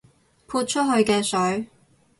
潑出去嘅水